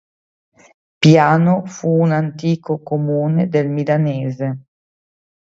Piano fu un antico comune del Milanese.